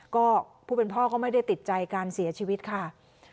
ก็ผู้เป็นพ่อก็ไม่ได้ติดใจการเสียชีวิตค่ะ